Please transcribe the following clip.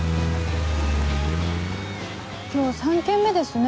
今日３件目ですね